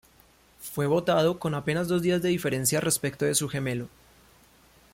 Fue botado con apenas dos días de diferencia respecto de su gemelo.